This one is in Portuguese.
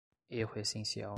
erro essencial